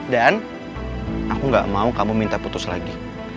dan aku gak mau kamu minta putus lagi